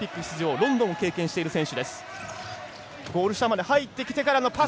ロンドンを経験している選手。